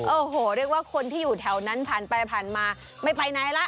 โอ้โหเรียกว่าคนที่อยู่แถวนั้นผ่านไปผ่านมาไม่ไปไหนล่ะ